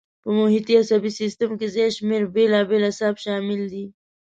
په محیطي عصبي سیستم کې زیات شمېر بېلابېل اعصاب شامل دي.